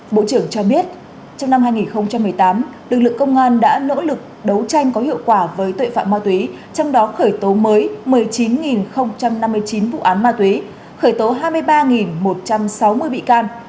bộ trưởng cho biết trong năm hai nghìn một mươi tám lực lượng công an đã nỗ lực đấu tranh có hiệu quả với tội phạm ma túy trong đó khởi tố mới một mươi chín năm mươi chín vụ án ma túy khởi tố hai mươi ba một trăm sáu mươi bị can